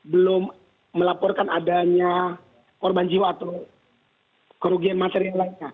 belum melaporkan adanya korban jiwa atau kerugian material lainnya